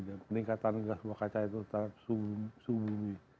dan peningkatan gas sumber kaca itu terhadap suhu bumi